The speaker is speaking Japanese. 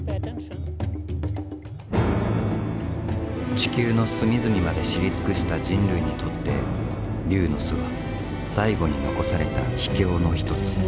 地球の隅々まで知り尽くした人類にとって龍の巣は最後に残された秘境の一つ。